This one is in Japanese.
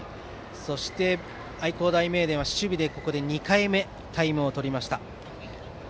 そして、愛工大名電は守備でここで２回目のタイムを取りました。